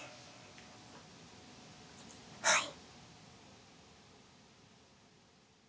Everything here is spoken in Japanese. はい。